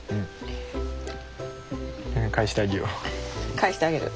かえしてあげる？